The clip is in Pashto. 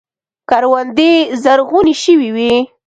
کروندې زرغونې شوې وې.